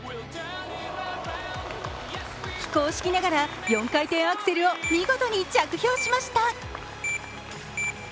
非公式ながら４回転アクセルを見事に着氷しました。